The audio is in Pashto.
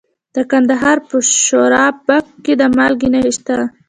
د کندهار په شورابک کې د مالګې نښې شته.